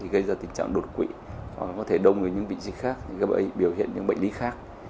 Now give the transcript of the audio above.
gây ra tình trạng đột quỵ có thể đông ở những vị trí khác biểu hiện những bệnh lý khác